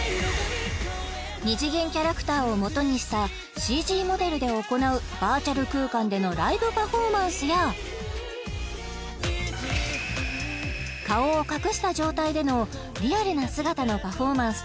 ２次元キャラクターをもとにしたＣＧモデルで行うバーチャル空間でのライブパフォーマンスや顔を隠した状態でのリアルな姿のパフォーマンスと